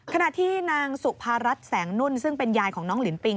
ขณะที่นางสุภารัฐแสงนุ่นซึ่งเป็นยายของน้องลินปิง